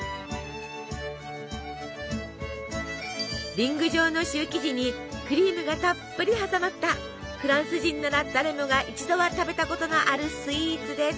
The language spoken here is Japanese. リング状のシュー生地にクリームがたっぷり挟まったフランス人なら誰もが一度は食べたことのあるスイーツです。